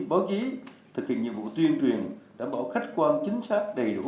báo chí thực hiện nhiệm vụ tuyên truyền đảm bảo khách quan chính xác đầy đủ